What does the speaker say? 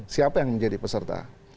siapa yang menjadi peserta